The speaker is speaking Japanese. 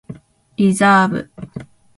リザーブ